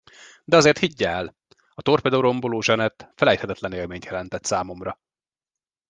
De azért higgye el, a torpedóromboló Jeanette felejthetetlen élményt jelentett számomra!